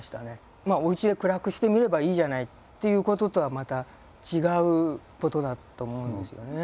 おうちで暗くして見ればいいじゃないっていうこととはまた違うことだと思うんですよね。